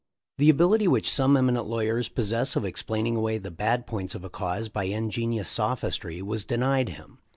The ability which some eminent lawyers pos sess of explaining away the bad points of a cause by ingenious sophistry was denied him.